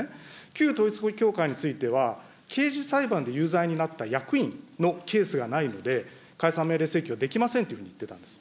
旧統一教会については、刑事裁判で有罪になった役員のケースがないので、解散命令請求はできませんというふうに言ってたんです。